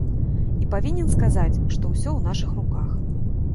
І павінен сказаць, што ўсё ў нашых руках.